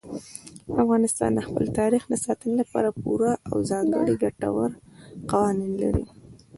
افغانستان د خپل تاریخ د ساتنې لپاره پوره او ځانګړي ګټور قوانین لري.